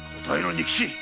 仁吉！